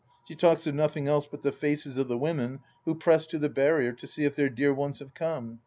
She talks of nothing else but the faces of the women who press to the barrier to see if their dear ones have come.